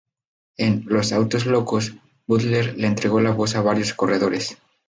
En "Los autos locos" Butler le entregó la voz a varios corredores.